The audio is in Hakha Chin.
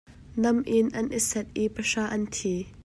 Nam in an i sat i pahra an thi.